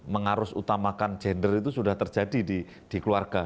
mengarus utamakan gender itu sudah terjadi di keluarga